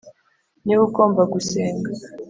Ni we ugomba gusenga